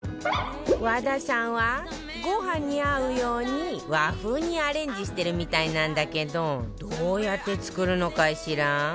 和田さんはご飯に合うように和風にアレンジしてるみたいなんだけどどうやって作るのかしら？